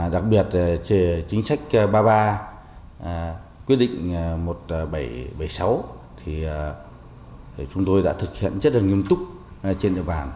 đặc biệt chính sách ba mươi ba quyết định một nghìn bảy trăm bảy mươi sáu thì chúng tôi đã thực hiện rất là nghiêm túc trên địa bàn